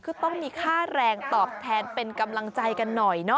คือต้องมีค่าแรงตอบแทนเป็นกำลังใจกันหน่อยเนาะ